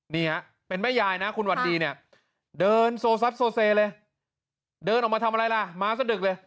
นี่ฮะเป็นแม่ยายนะคุณวันดีเนี่ยเดินโซซับโซเซเลยเดินออกมาทำอะไรล่ะมาสะดึกเลย